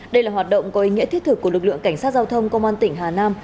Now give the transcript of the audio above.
đây là hoạt động có ý nghĩa thiết thực của lực lượng cảnh sát giao thông công an tỉnh hà nam